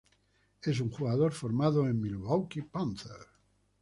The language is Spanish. Es un jugador formado en Milwaukee Panthers.